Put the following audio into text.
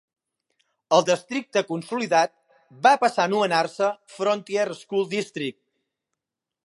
El districte consolidat va passar a anomenar-se Frontier School District.